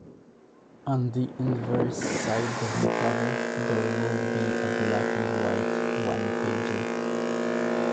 On the inverse side of the cover, there would be a black-and-white One-Pager.